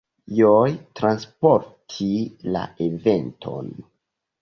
Joe transporti la eventon.